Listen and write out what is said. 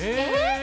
え？